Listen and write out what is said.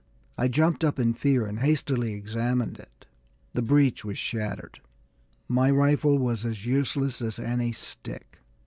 I jumped up in fear and hastily examined it. The breech was shattered my rifle was as useless as any stick.